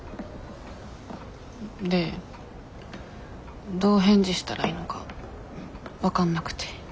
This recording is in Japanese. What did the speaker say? でどう返事したらいいのか分かんなくて。